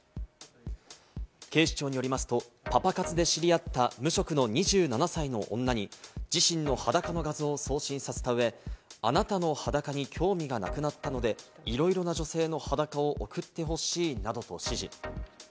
警視庁によりますと、パパ活で知り合った無職の２７歳の女に自身の裸の画像を送信させた上、あなたの裸に興味がなくなったので、いろいろな女性の裸を送ってほしいなどと指示。